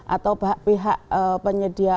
atau pihak penyedia